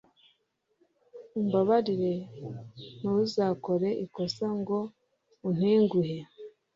umbabarire ntuzakore ikosa ngo untenguhe